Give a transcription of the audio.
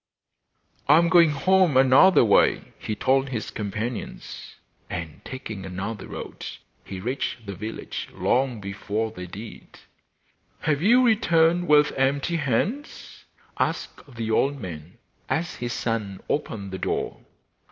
'I am going home another way,' he told his companions. And taking another road he reached the village long before they did. 'Have you returned with empty hands?' asked the old man, as his son opened the door.